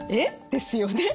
ですよね。